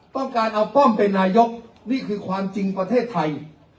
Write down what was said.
ต้องการเอาป้อมเป็นนายกนี่คือความจริงประเทศไทย